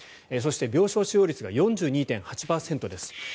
そして病床使用率が４２．８％です。